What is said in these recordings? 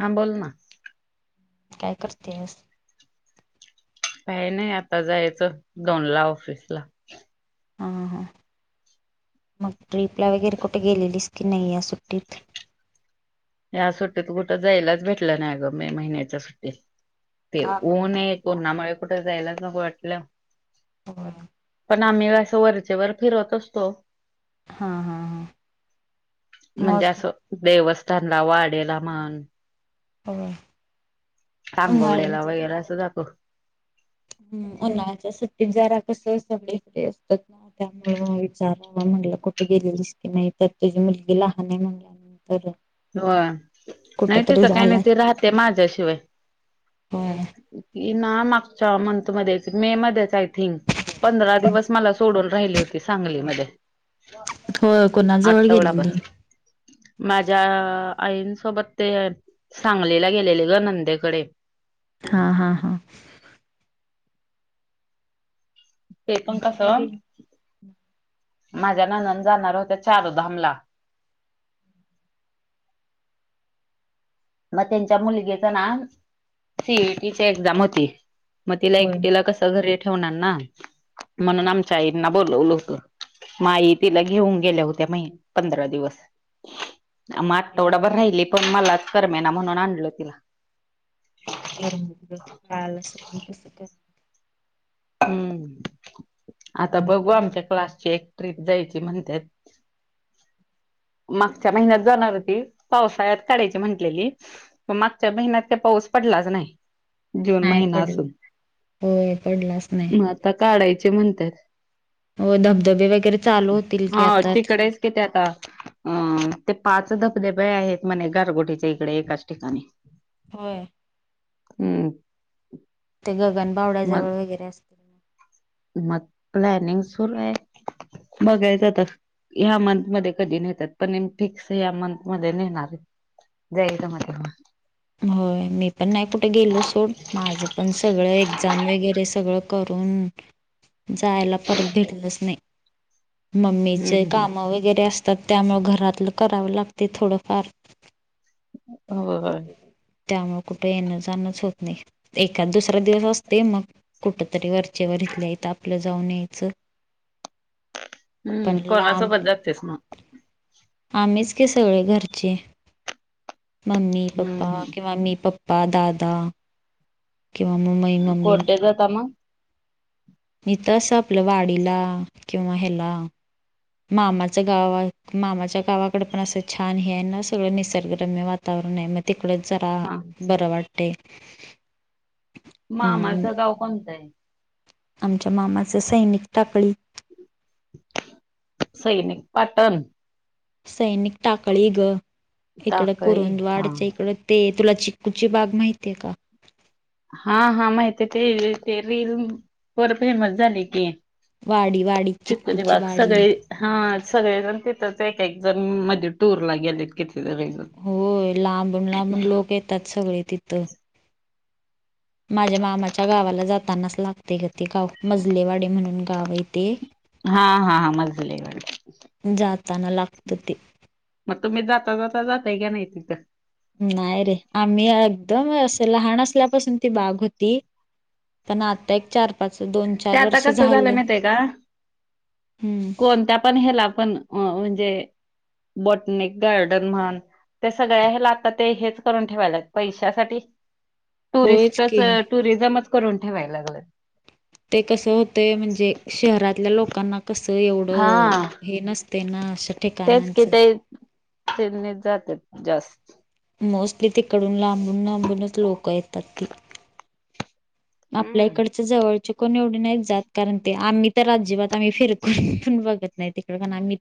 हा बोल ना. काय करतेस? काही नाही, आता जायचं दोनला ऑफिसला. हा, हा, हा! मग ट्रीपला वगैरे कुठे गेलेलीस की नाही या सुट्टीत? ह्या सुट्टीत कुठं जायलाच भेटलं नाही गं, मे महिन्याच्या सुट्टीत. ते का गं? ऊन हे उन्हामुळे कुठं जायलाच नको वाटलं हो! ना आम्ही असं वरचेवर फिरत असतो. हा हा हा. म्हणजे मोस्टली असं देवस्थ. त्यांना वाढायला म्हण. हं. सांगवलेलं वगैरे असं दाखव. हन्हाळ्याच्या सुट्टीत जरा कसं सैलसैल असतात ना, त्यामुळं विचारा. म्हटलं, कुठे गेली? दिसत नाही. तर तुझी मुलगी लहान आहे म्हटलं. हो, नाही. तरी तसं काही नाही. झालाय ती राहते माझ्याशिवाय. होय. [inaudible] ही ना, मागच्या मंथमध्येच, मेमध्येच, आय थिंक पंधरा दिवस मला सोडून राहिली हो ते सांगलीमध्ये होय कोणाजवळ आठवडा भर गेलेली? मा अ आईनसोबत ते सांगलीला गेलेले गं नंदेकडे. हा, हा, हा. ते मी पण नाही कसं? गेली माझ्या नणंद जाणार होत्या चारधामला मग त्यांच्या मुलगी च ना सीईटीची एक्झाम होती. म तिला होय. एकटीला कसं घरी ठेवणार ना, म्हणून आमच्या आईंना बोलवलं होतं म आई तिला घेऊन गेल्या होत्या, मही पंधरा दिवस मं आठवडाभर राहिली, पण मलाच करमेना म्हणून आणलं तिला. नाही रे, पालसस. [unintelligible] हूं आता मम्मी बघू पण आमच्या नाही क्लासचे एक ट्रीप जायची म्हणत्यात मागच्या महिन्यात जाणार होती, पावसाळ्यात काढायची महंटलेली मागच्या महिन्यात तर पाऊस पडलाच नाही. जून नाही महिना पडलं असून होय पडलाच नाही मी आता काढायचे म्हणते. व धबधबे वगैरे चालू होतील की आता? अरे, ते पाच धबधबे आहेत म्हणे, घारगोटीच्या इकडे एकाच ठिकाणी. हो हम्म. ते मग गगनबावड्याजवळ वगैरे असतील ना. मग प्लॅनिंग सुरू आहे, बघायचं तर. ह्या मंथमध्ये कधी नेतात, पण फिक्स ह्या मंथमध्ये नेणार आहे. जायचं म्हं. हो, मी पण नाही कुठे गेलो. सोड, माझं पण सगळं एक्झाम वगैरे सगळं करू. ऊन जायला परत भेटलंच नाही. मम्मीचे हम्म काम वगैरे असतात, त्यामु घरातलं करावं लागते थोडंफार. हो. त्यामुळे कुठं येणं-जाणंच होत नाही. एखादा-दुसरा दिवस असते, मग कुठेतरी वरचेवर... त्याला आपलं जाऊन यायचं. पण हम्म, लांब कोणासोबत जातेयस मग? आम्हीच का, सगळे घरचे, मम्मी, पप्पा हम्म किंवा मी, पप्पा. पादादा. कोरटेचा दमा. नी तस आपलं वाडीला किंवा ह्याला. मामाच्या गावात मामाच्या गावाकडे पण, असं छान हे आहे ना. सगळं निसर्गरम्य वातावरण. नाई मग तिकडच जरा हा बर वाटतय. मामाच गाव कोणतंय? आमच्या मामाच सैनिक टाकळी. सैनिक पाटण. सैनिक टाकळी ग इकडं टाकळी हा करुंदवाडच्या इकडं ते. तुला चिक्कूची बाग माहितीेय का? हा हा माहितय ते ते रील वर फेमस झाली ती. वाडी वाडी चिक्कूची बाग वाडी सगळे हा सगळेजण तिथंच एक एक जण हम मध्ये टूरला गेले. होय लांबून लांबून लोक येतात, सगळे तिथं. माझ्या मामाच्या गावाला जातानाच लागते ग ते गाव, मजलेवाडी म्हणून गाव येते. हा हा हा मजले वाडी. जाताना लागतं ते तुम्ही जाता जाता जाताय का नाही तिथं? नाही रे आम्ही ह एकदम हे असं लहान असल्यापासून ती बाग होती पण आता एक चार. पाच दोन ते चार आता वर्ष कसं झालं माहीतय का? हम्म कोणत्या पण हेला पण अ म्हणजे. बॉटनिक गार्डन म्हण. ते सगळे हेला आता ते हेच करून ठेवायल्यात पैशासाठी. होयच टुरिस्टच की टुरिझमच करून ठेवाय लागलं. ते कस होतंय, म्हणजे शहरातल्या लोकांना कसं हा एवढं हे नसत. ते ना श तेच की ते तेनिच जात्यात जास्त. मोस्टली तिकडून लांबून लांबूनच लोक येतात ती. आपल्या हम्म. इकडच जवळ चुकून एवढे नाही जात, कारण ते आम्ही तर अजिबात, आम्ही फिरकून पण बघत नाही तीक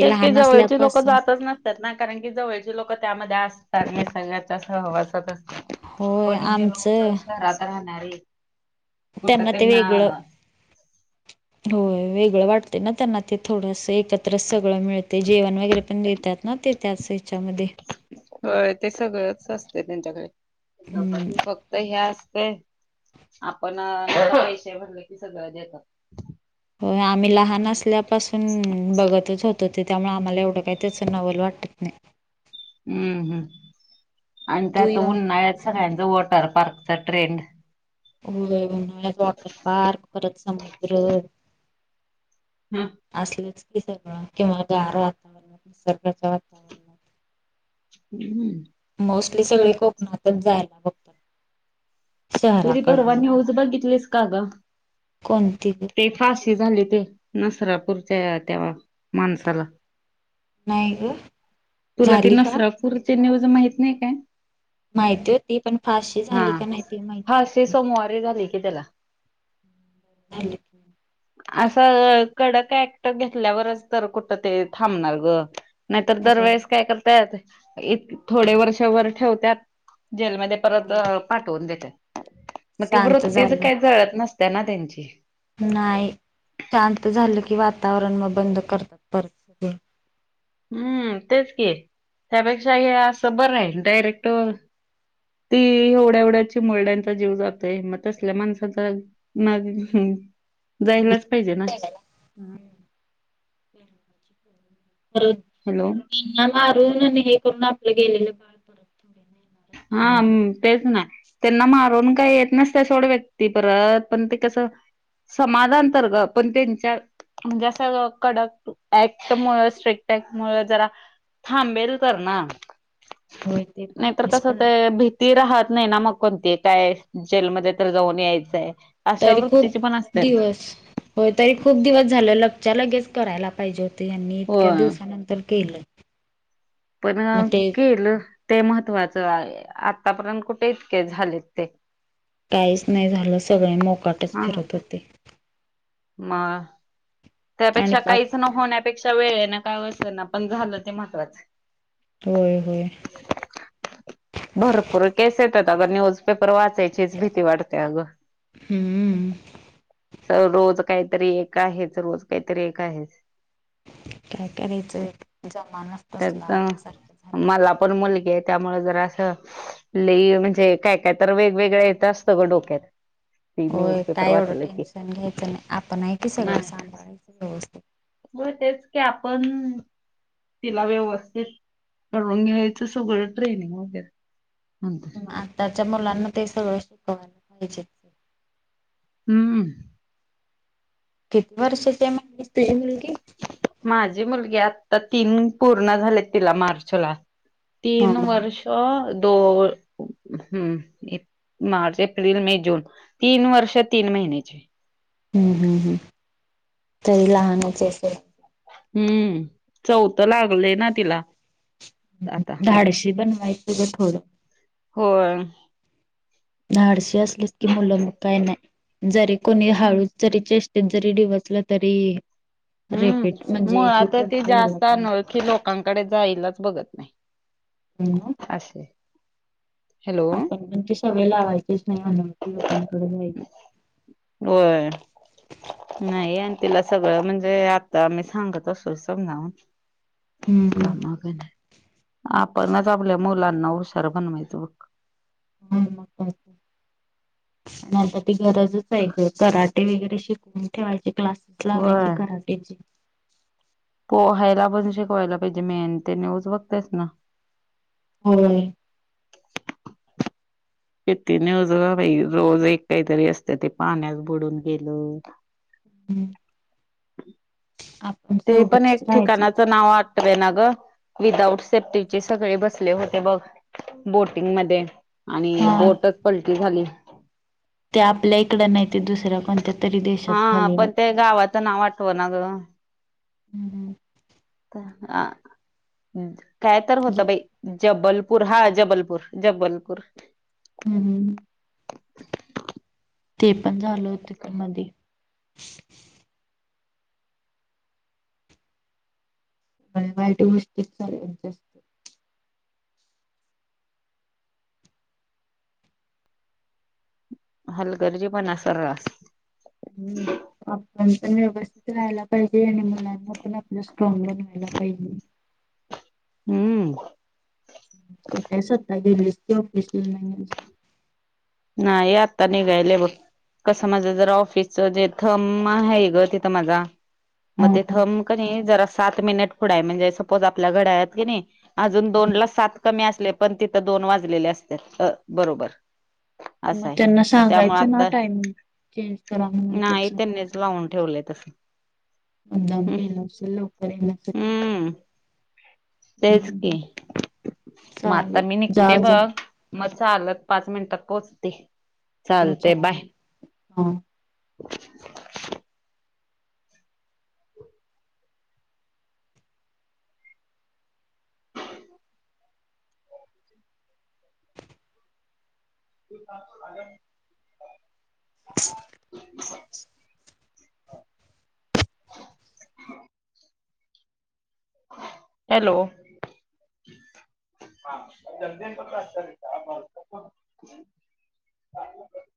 तेच की जवळची लोक जातच नसतात ना, कारण की जवळची लोक त्यामध्ये अस हे सगळ्याच्या सहवासात असते, होय कोणीही लोग जाऊन आमचं शहरात राहणारे. त्यांना ते वेगळं, होय. वेगळं वाटतय ना त्यांना ते थोडंसं एकत्र सगळं मिळतय, जेवण वगैरे पण देतात. ना ते त्यासे होय ते सगळंच असते त्यांच्याकडे. हम्म फक्त ह्या होय आपण पैसे भरलं की सगळं देतात. हो आम्ही लहान असल्यापासून बघतच होतो ते, त्यामुळे आप मला एवढं काही त्याच नवल वाटत नाय. हम्म हम्म आणि तू त्या त येऊन उन्हाळ्यात सगळ्यान वॉटर पार्कच ट्रेंड. होय वॉटर पार्क परत समुद्र. असलेच. सगळं किंवा गार वातावरणात निसर्गाच्या. हम्म. मोस्टली सगळे कोकणातच जायला बघतात. तुही परवा शहराकडनं न्यूज बघितलीस का ग? कोणती ग? ते फाशी झाली ते नसरापूरच्या त्या माणसाला. नाही ग तुला ते झाली का नसरापूरचे न्यूज माहित नाही काय? माहिती होती पण, फशी हा झाली का नाही, ते माहित फाशी सोमवारीे झाले की त्याला ख असं कडक यक्ट घेतल्यावरच तर कुठं ते थांबणार ग नाहीतर हो दरवेेळेस काय करतत इ थोडे वर्ष वर ठेवतत जेलमध्ये परत पाठवून देते मग ती शांत वृत्तीच झालं काही जळत नस त्यांना त्यांची नाही शांत झालं की वातावरण मग बंद करतात पर हम्म तेच की त्यापेक्षा हे असं बरं नाही डायरेक्ट ती एवढ्यावढ्याची मुलड्यांचा जीव जातोय मग तसल्या माणसाचा जायलाच पाहिजे ना हम्म. हॅलो ना मारून हे करून आपलं गेलेलं काळ परत थो हा तेसना त्यांना मारून काय येत नसत सोड व्यक्ती परत पण ते कसं समाजांतर्गत पण त्यांच्या म्हणजे असं कडक ऍक्ट मु स्ट्रिकट ऍक्ट म मूळ जरा थांबेल करना होय. ते पण आहेच तसं पण ते भीती राहत नाही ना मग कोणती, काय जेलमध्ये तर जाऊन या यचंय, तरी खूप दिवस, होय तरी खूप दिवस झालं, लगच्या लगेच करायला पाहिजे होत यांनी इतक्या होय दिवसानंतर केलं. पण मग ते केल ते महत्त्वाचं. आतापर्यंत कुठे इतके झालेत ते काहीच नाही झालं सगळे मोकाटच फिरत होते म आणि त्यापेक्षा पाप काहीच न होण्यापेक्षा वेळ काय पण झालं ते महत्वाच हो हो भरपूर केस येतात अग न्यूजपेपर वाचायचीच भीती वाटते अगं हम्म स रोज काहीतरी एक आहेच रोज काहीतरी एक आहेच काय करायचं जमानाच तसला त्यात आल्यासारखे झाले त्यामुळ जरा असं लेई म्हणजे काय काय तर वेगवेगळं येतं असतं ग डोक्यात ती होय न्यूजपेपर काय एवढं वाचलं की टेन्शन घ्यायचं नाही आपण आहे की सगळं सांभाळायचं व्यवस्थित मग तेच की आपण तिला व्यवस्थित करून घ्यायचं सगळं ट्रेनिंग वगैरे नंतर त्याच्या मुलांना ते सगळं शिकयला पाहिजे हम्म किती वर्षाच्या म्हणालीस माझी मुलगी आता तीन पूर्ण झाले तिला मार्च ला हा तीन हम्म वर्ष दो हम्म मार्च एप्रिल मे जून तीन वर्ष तीन महिन्याचे हम्म हम्म हम् तरी लहानचे अस हम्म चौथ लागले ना तिला ह आता धाडशी बनवायचं ग थोडं होय. डशी असली की मुलं म काय नाही जरी कोणी हळू जरीचे ते जरी डीवाचल जरी रिपीट हम्म म्हणजे हे मुळात ती करता यायला जास्त अनोळखी लोकांकडे जाईलाच बघत पाहिजे. असशे आपण पण ते सवय लावायचेच नाही अनोळखी लोकांकडे जायचे हो ह तिला सगळं म्हणजे आता मी सांगत असो समजावून का हम्म. मागन ह आपणत आपल्या मुला नऊ सरबन्वैत बक ह म मता त गरजच आहे ग कराट वगैरे शिकवून ठेवायचे क्लासेस लावायचे होय. कराटचे पोहायला पण शिकवायला पाहिजे मेन ते न्यूज बघतेस ना हो शतीनेज बाई रोज एक काहीतरी असत ते पाण्यास बुडून गेलं आपण ते पण एक सोबतच राहायचं. ठिकाणाचं नाव आटवे ना ग विदाउट सेफ्टीचे सगळे बसले होते बघ बोटिंगमध्येध्ये आणि हा. बोटच पलटी झाली ते आपल्या इकड नाही ते दुसऱ्या कोणत्या तरी देशात हा झाले पण ते वाटते गावाचं नाव आठव ना ग. हरम ह काय तर ज होत बाई जबलपूर हा जबलपूर जबलपूर हम्म हम् ते पण झालं उतकी मध्ये वाईट गोष्टी सच्यात हलगर्जी पण सर्रास पण पण व्यवस्थित राहायला पाहिजे आणि मुलांना पण आपलं स्ट्रॉंग बनवायला पाहिजे हम्म कठ सता गेस ऑफिसला नाही ना ये आत्ता नाही गयले बघ कसं माझं जरा ऑफिसच जे थर्म आहे ग तिथं माझा हा मग ते हा थंब क नाही जरा सात मिनिट पुढं आहे म्हणजे सपोज आपल्या घड्याया की नाही अजून दोन ला सात कमी असले पण तिथं दोन वाजलेले असत बरोबर असं मग आहे. त्यांना मग त्यामुळे सांगायचं ना आता टायमिंग चेंज करा म्ह नाही त्याच त्यांनीच लावून ठेवलंय तसं मद्दाम केलं असेल लवकर येण्यासाठी हम्म. तेच की हम्म मग आता चालेल मी जा निघते जा बघ मग आल पाच मिनिटात पोहोचते हो ले हा मभत उछम मबय डण हॅलो हा जदी त्रास का ह